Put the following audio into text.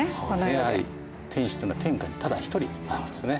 やはり天子っていうのは天下にただ一人なんですね。